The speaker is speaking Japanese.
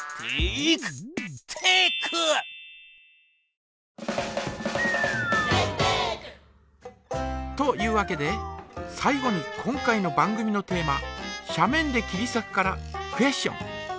「テイクテック」！というわけで最後に今回の番組のテーマ「斜面できりさく」からクエスチョン。